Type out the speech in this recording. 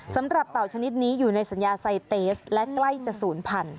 สำหรับเป่าชนิดนี้อยู่ในสัญญาไซเตสและใกล้จะ๐๐๐๐